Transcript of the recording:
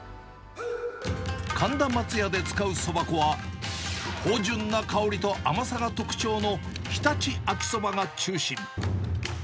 神田まつやで使うそば粉は、芳じゅんな香りと甘さが特徴の常陸秋そばが中心。